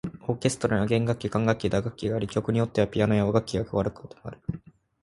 オーケストラには弦楽器、管楽器、打楽器があり、曲によってはピアノや和楽器が加わることもある。